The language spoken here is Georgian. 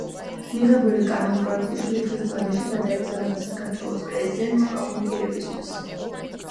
მიღებული კანონპროეტი შვიდი დღის ვადაში გადაეგზავნება საქართველოს პრეზიდენტს პრომულგირებისთვის